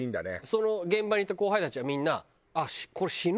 その現場にいた後輩たちはみんな。